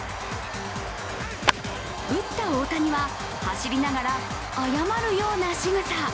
打った大谷は走りながら謝るようなしぐさ。